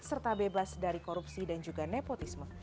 serta bebas dari korupsi dan juga nepotisme